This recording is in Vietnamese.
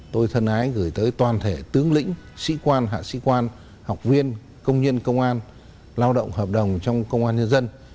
tôi thân ái gửi tới toàn thể tướng lĩnh sĩ quan hạ sĩ quan học viên công nhân công an lao động hợp đồng trong công an nhân dân